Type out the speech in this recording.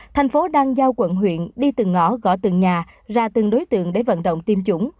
thành phố đang giao quận huyện đi từng ngõ gõ từng nhà ra từng đối tượng để vận động tiêm chủng